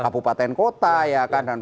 bupaten kota ya